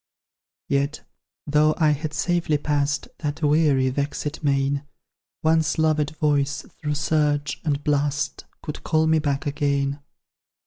Yet, though I had safely pass'd That weary, vexed main, One loved voice, through surge and blast Could call me back again.